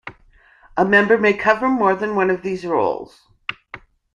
A member may cover more than one of these roles.